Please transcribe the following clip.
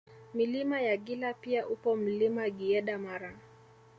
Milima ya Gila pia upo Mlima Giyeda Mara